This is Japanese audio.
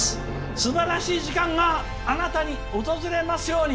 すばらしい時間があなたに訪れますように。